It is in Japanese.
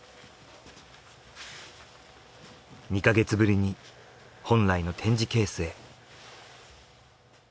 ２か月ぶりに本来の展示ケースへ。